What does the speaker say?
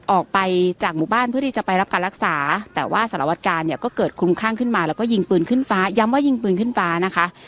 ออกไปจากหมู่บ้านเพื่อที่จะไปรับการรักษาแต่ว่าสารวัตกาลเนี่ยก็เกิดคลุมข้างขึ้นมาแล้วก็ยิงปืนขึ้นฟ้าย้ำว่ายิงปืนขึ้นฟ้านะคะ